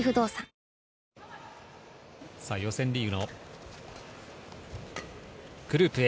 予選リーグのグループＡ。